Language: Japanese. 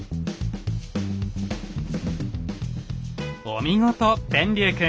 お見事天龍くん。